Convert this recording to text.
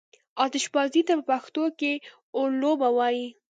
آتشبازي ته په پښتو کې اورلوبه وايي.